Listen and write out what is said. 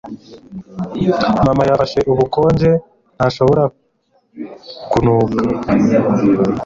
Mama yafashe ubukonje ntashobora kunuka.